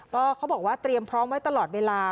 ก็เขาบอกว่าเตรียมพร้อมไว้ตลอดเวลา